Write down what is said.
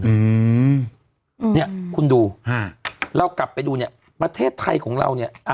อืมเนี้ยคุณดูฮะเรากลับไปดูเนี่ยประเทศไทยของเราเนี่ย